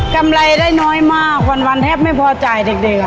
ำไรได้น้อยมากวันแทบไม่พอจ่ายเด็ก